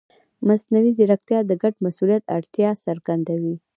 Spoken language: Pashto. مصنوعي ځیرکتیا د ګډ مسؤلیت اړتیا څرګندوي.